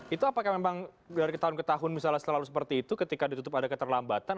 itu apakah memang dari tahun ke tahun misalnya selalu seperti itu ketika ditutup ada keterlambatan